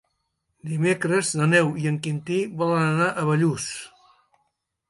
Dimecres na Neus i en Quintí volen anar a Bellús.